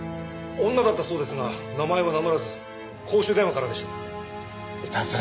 女だったそうですが名前は名乗らず公衆電話からでした。